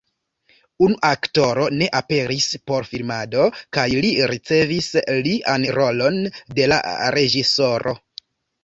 Unu aktoro ne aperis por filmado kaj li ricevis lian rolon de la reĝisoro.